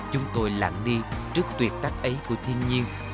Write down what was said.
chúng tôi lặng đi trước tuyệt tác ấy của thiên nhiên